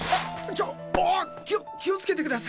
ちょ気をつけてください。